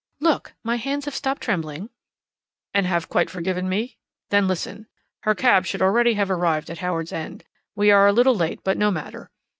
"Look! My hands have stopped trembling." "And have quite forgiven me? Then listen. Her cab should already have arrived at Howards End. (We're a little late, but no matter.)